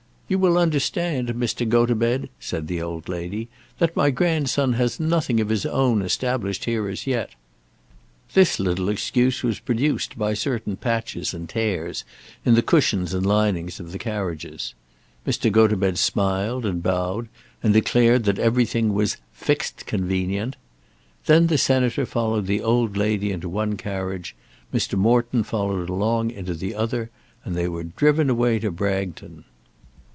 "You will understand, Mr. Gotobed," said the old lady, "that my grandson has nothing of his own established here as yet." This little excuse was produced by certain patches and tears in the cushions and linings of the carriages. Mr. Gotobed smiled and bowed and declared that everything was "fixed convenient." Then the Senator followed the old lady into one carriage; Mr. Morton followed alone into the other; and they were driven away to Bragton.